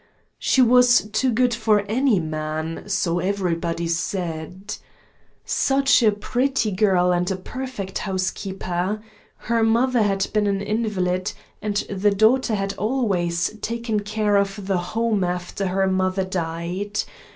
She was too good for any man, so everybody said. Such a pretty girl and a perfect housekeeper. Her mother had been an invalid, and the daughter had always taken care of the home after her mother died.